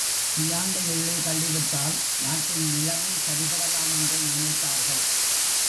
சியாங்கை உள்ளே தள்ளிவிட்டால் நாட்டின் நிலமை சரிபடலாம் என்று நினைத்தார்கள்.